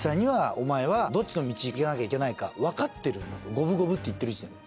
五分五分って言ってる時点で。